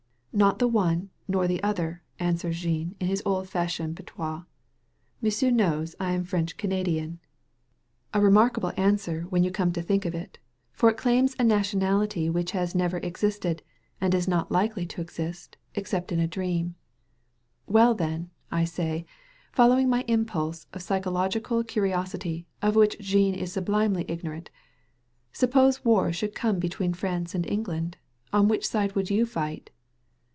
"Not the one, nor the other," answers Jean in his old fashioned patois. "M*sieu* knows I am French Canadian." 163 THE VALLEY OF VISION A remarkable answer, when you come to think of it; for it daims a nationality which has never existed, and is not likely to exist, except in a dream. "Well, then, I say, following my impulse of psychological curiosity, of which Jean is sublimely ignorant, '* suppose a war should come between France and England. On which side would you fight?"